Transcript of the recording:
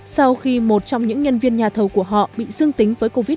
sau khi một trong những nhân viên nhà thầu của họ bị dương tính với covid một mươi chín